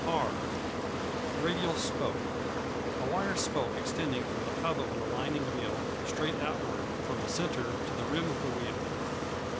R Radial Spoke A wire spoke extending from the hub of an alighting wheel straight outward from the centre to the rim of the wheel.